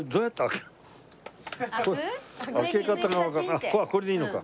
あっこれでいいのか。